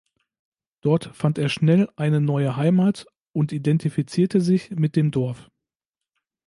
Dort fand er schnell eine neue Heimat und identifizierte sich mit dem Dorf.